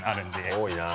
多いな。